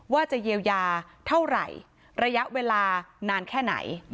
ว่าจะเยียวยาเท่าไหร่ระยะเวลานานแค่ไหน